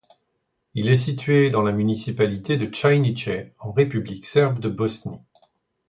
Il est situé dans la municipalité de Čajniče en République serbe de Bosnie.